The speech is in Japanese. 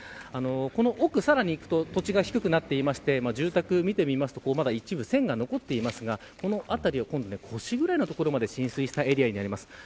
奥に行くと土地が低くなっていて住宅を見ると一部線が残っていますがこの辺りは腰ぐらいまで浸水したエリアです。